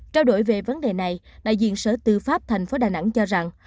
trao đổi về vấn đề này đại diện sở tư pháp tp đà nẵng cho rằng